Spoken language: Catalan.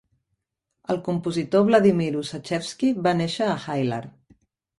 El compositor Vladimir Ussachevsky va néixer a Hailar.